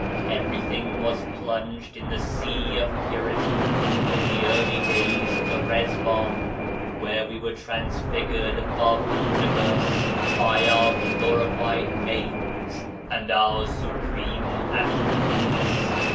Every thing was plunged in the Sea of Purity in the early days of the Riiwan where we were transfigured above the universe by our glorified Names and our supreme Attri butes.